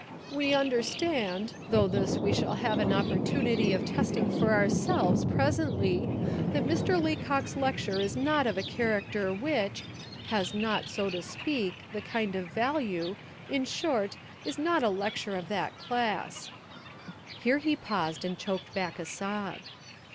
"We understand, though this we shall have an opportunity of testing for ourselves presently, that Mr. Leacock's lecture is not of a character which, has not, so to speak, the kind of value, in short, is not a lecture of that class." Here he paused and choked back a sob.